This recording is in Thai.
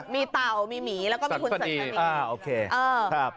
มีเตามีหมีแล้วก็มีคุณศัตริย์